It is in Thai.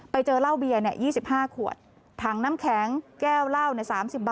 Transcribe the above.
ไปเจอเหล้าเบียร์๒๕ขวดถังน้ำแข็งแก้วเหล้า๓๐บาท